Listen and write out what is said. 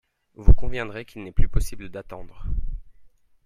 Vous conviendrez qu’il n’est plus possible d’attendre.